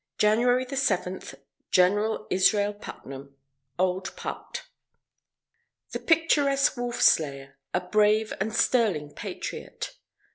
_ JANUARY 7 GENERAL ISRAEL PUTNAM "OLD PUT" The picturesque wolf slayer, a brave and sterling Patriot.